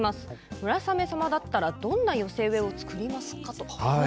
村雨様だったらどんな寄せ植えを作りますか。